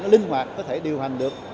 linh hoạt có thể điều hành được